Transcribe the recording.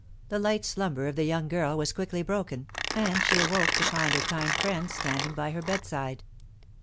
The light slumber of the young girl was quickly broken, and she awoke to find her kind friend standing by her bedside.